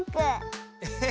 えっ！